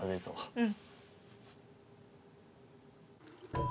うん。